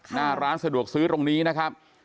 หน้าร้านสะดวกซื้อตรงนี้นะครับ